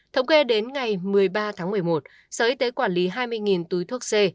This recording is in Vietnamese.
thống kê đến ngày một mươi ba tháng một mươi một sở y tế quản lý hai mươi túi thuốc c